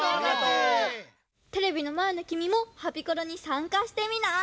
テレビのまえのきみも「ハピコロ」にさんかしてみない？